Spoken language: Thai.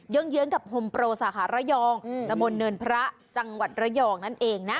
เยื้องกับโฮมโปรสาขาระยองตะบนเนินพระจังหวัดระยองนั่นเองนะ